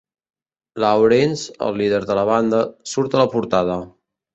Lawrence, el líder de la banda, surt a la portada.